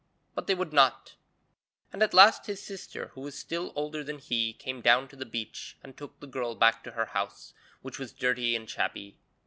But they would not, and at last his sister, who was still older than he, came down to the beach and took the girl back to her house, which was dirty and shabby.